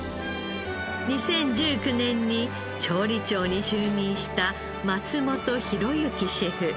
２０１９年に調理長に就任した松本浩之シェフ。